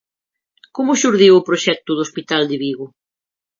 Como xurdiu o proxecto do hospital de Vigo?